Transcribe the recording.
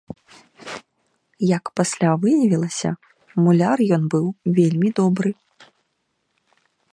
Як пасля выявілася, муляр ён быў вельмі добры.